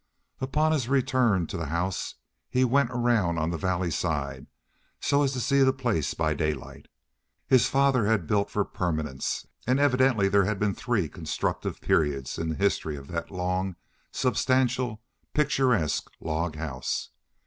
Upon his return to the house, he went around on the valley side, so as to see the place by light of day. His father had built for permanence; and evidently there had been three constructive periods in the history of that long, substantial, picturesque log house.